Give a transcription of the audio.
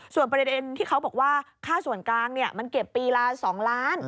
ส่วนประเด็นที่เขาบอกว่าค่าส่วนกลางมันเก็บปีละ๒ล้าน